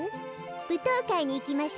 ぶとうかいにいきましょう。